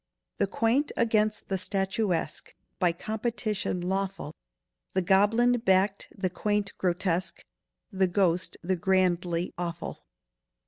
"The Quaint against the Statuesque"— By competition lawful— The goblin backed the Quaint Grotesque, The ghost the Grandly Awful.